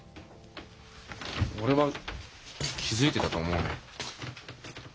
俺は気付いてたと思うね。